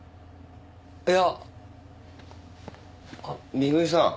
美冬さん。